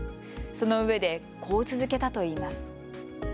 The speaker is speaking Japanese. そのうえでこう続けたといいます。